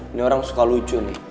ini orang suka lucu nih